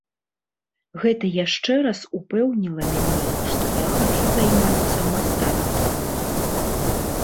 Гэта яшчэ раз упэўніла мяне, што я хачу займацца мастацтвам.